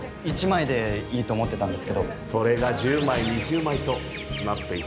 １枚でいいと思ってたんですけどそれが１０枚・２０枚となっていくんです